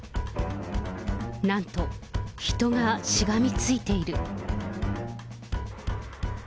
なんと、人がしがみついている。